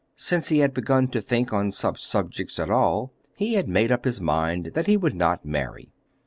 Since he had begun to think on such subjects at all he had made up his mind that he would not marry.